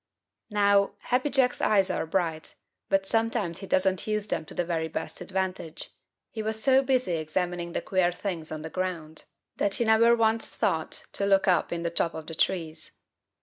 Now, Happy Jack's eyes are bright, but sometimes he doesn't use them to the very best advantage. He was so busy examining the queer things on the ground that he never once thought to look up in the tops of the trees.